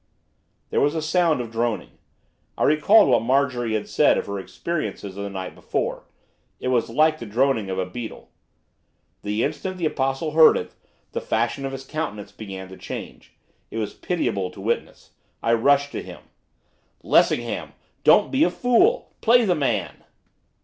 There was a sound of droning, I recalled what Marjorie had said of her experiences of the night before, it was like the droning of a beetle. The instant the Apostle heard it, the fashion of his countenance began to change, it was pitiable to witness. I rushed to him. 'Lessingham! don't be a fool! play the man!